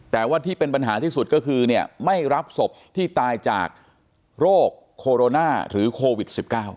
แต่ว่าที่เป็นปัญหาที่สุดก็คือเนี่ยไม่รับศพที่ตายจากโรคโคโรนาหรือโควิด๑๙